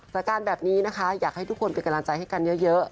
การแบบนี้นะคะอยากให้ทุกคนเป็นกำลังใจให้กันเยอะ